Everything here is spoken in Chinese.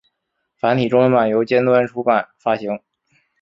繁体中文版由尖端出版发行。